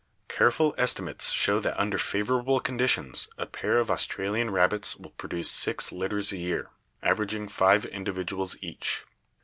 Careful estimates show that under favorable conditions a pair of Australian rabbits will produce six litters a year, averag ing five individuals each.